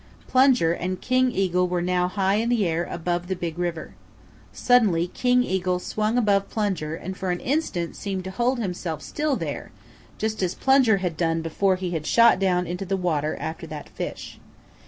Plunger and King Eagle were now high in the air above the Big River. Suddenly King Eagle swung above Plunger and for an instant seemed to hold himself still there, just as Plunger had done before he had shot down into the water after that fish.